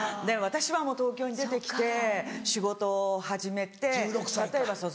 私は東京に出て来て仕事を始めて。